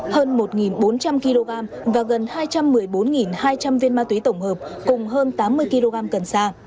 hơn một bốn trăm linh kg và gần hai trăm một mươi bốn hai trăm linh viên ma túy tổng hợp cùng hơn tám mươi kg cần sa